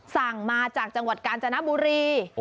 สั่งมาจากจังหวัดกาญจนบุรี